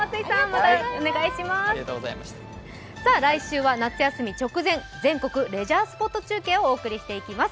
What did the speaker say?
来週は夏休み直前、全国レジャースポット中継をお送りしていきます。